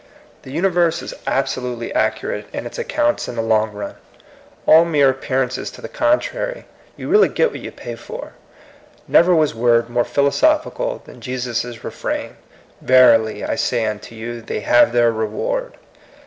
The universe is absolutely accurate in 86 THE COMING PEOPLE. its accounts in the long run. All mere ap pearances to the contrary, you really get what you pay for. Never was word more philosophical than Jesus* refrain, Verily, I say unto you, they haye their reward."